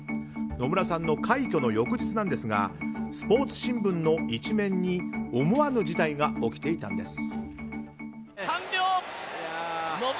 野村さんの快挙の翌日ですがスポーツ新聞の１面に思わぬ事態が起きていたんです。